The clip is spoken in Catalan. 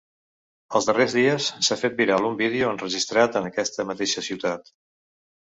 Els darrers dies, s’ha fet viral un vídeo enregistrat en aquesta mateixa ciutat.